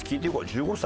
１５歳？